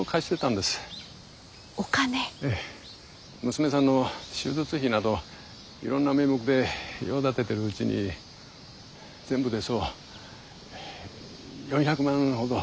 娘さんの手術費などいろんな名目で用立ててるうちに全部でそう４００万ほど。